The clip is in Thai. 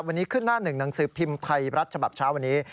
วันนี้ขึ้นหน้าหนึ่งหนังสือพิมพ์ไทยรัฐฉบับเช้าวันนี้